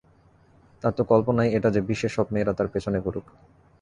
তার তো কল্পনাই এটা যে বিশ্বের সব মেয়েরা তার পিছনে ঘুরুক।